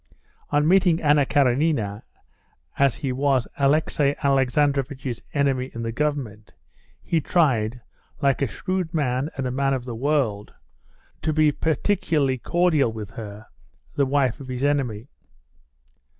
On meeting Anna Karenina, as he was Alexey Alexandrovitch's enemy in the government, he tried, like a shrewd man and a man of the world, to be particularly cordial with her, the wife of his enemy.